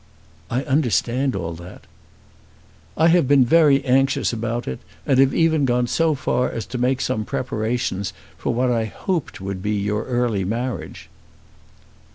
"I understand all that." "I have been very anxious about it, and have even gone so far as to make some preparations for what I had hoped would be your early marriage."